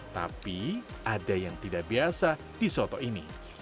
tapi ada yang tidak biasa di soto ini